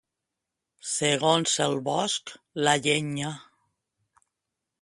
Segons el bosc, la llenya.